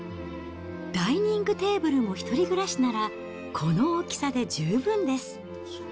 ダイニングテーブルも１人暮らしなら、この大きさで十分です。